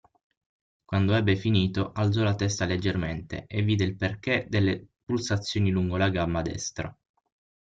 Quando ebbe finito, alzò la testa leggermente, e vide il perché delle pulsazioni lungo la gamba destra.